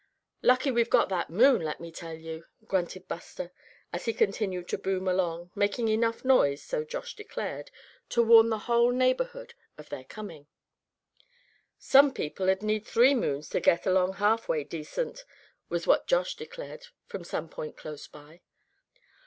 "Lucky we've got that moon, let me tell you," grunted Buster, as he continued to boom along, making enough noise, so Josh declared, to warn the whole neighborhood of their coming. "Some people'd need three moons to get along half way decent," was what Josh declared from some point close by.